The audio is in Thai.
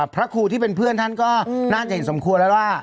พระครูที่เป็นเพื่อนท่านก็น่าจะเห็นสมควรแล้วว่า